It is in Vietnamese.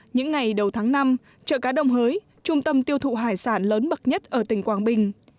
những ngày đầu tháng năm chợ cá đồng hới trung tâm tiêu thụ hải sản lớn bậc nhất ở tỉnh quảng bình